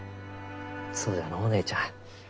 そうじゃのう姉ちゃん。